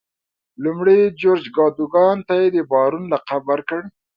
لومړي جورج کادوګان ته د بارون لقب ورکړ.